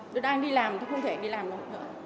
tôi đang đi làm thì không thể đi làm đâu